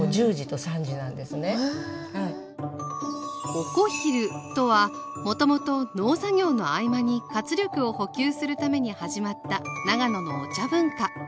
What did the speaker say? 「お小昼」とはもともと農作業の合間に活力を補給するために始まった長野のお茶文化。